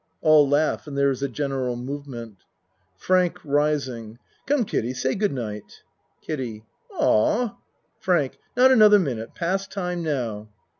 (All laugh and there is a general movement.) FRANK (Rising.) Come, Kiddie, say good night. KIDDIE Aw FRANK Not another minute. Past time now.